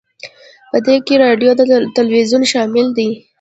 په دې کې راډیو او تلویزیون شامل دي